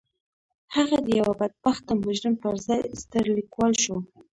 هغه د يوه بدبخته مجرم پر ځای ستر ليکوال شو.